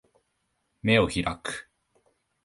眼を開く